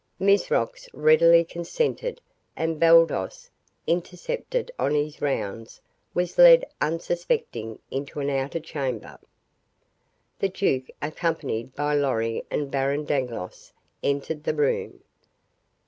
Mizrox readily consented and Baldos, intercepted on his rounds, was led unsuspecting into an outer chamber. The duke, accompanied by Lorry and Baron Dangloss, entered the room.